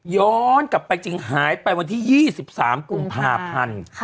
ย้อนกลับไปจริงหายไปวันที่๒๓กุมภาพันธ์